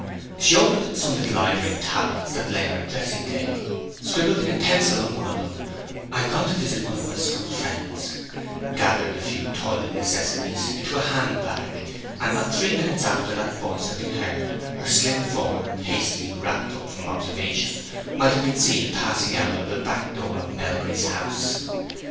She opened some little ivory tablets that lay on the dressing table, scribbled in pencil on one of them, "I am gone to visit one of my school friends," gathered a few toilet necessaries into a hand bag, and not three minutes after that voice had been heard, her slim form, hastily wrapped up from observation, might have been seen passing out of the back door of Melbury's house.